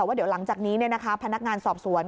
ว่าเดี๋ยวหลังจากนี้พนักงานสอบสวน